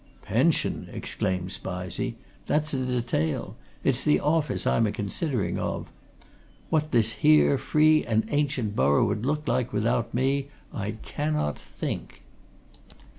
"Pension!" exclaimed Spizey. "That's a detail! it's the office I'm a considering of. What this here free and ancient borough 'ud look like, without me, I cannot think!"